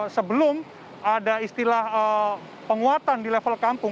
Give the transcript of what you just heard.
sebelum ada istilah penguatan di level kampung